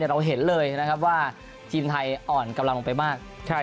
เราเห็นเลยนะครับว่าทีมไทยอ่อนกำลังลงไปมาก